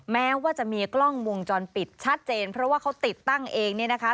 แม้ว่าจะมีกล้องวงจรปิดชัดเจนเพราะว่าเขาติดตั้งเองเนี่ยนะคะ